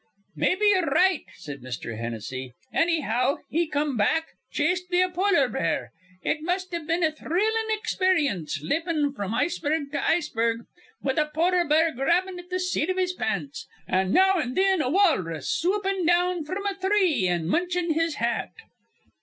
"Maybe ye're right," said Mr. Hennessy. "Annyhow, he come back, chased be a polar bear. It must iv been a thrillin' experience, leppin' fr'm iceberg to iceberg, with a polar bear grabbin' at th' seat iv his pants, an' now an' thin a walrus swoopin' down fr'm a three an' munchin' his hat."